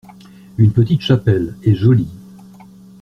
Une petite chapelle, et jolie.